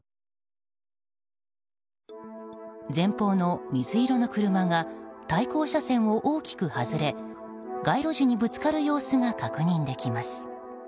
前方の水色の車が対向車線を大きく外れ街路樹にぶつかる様子が確認できます。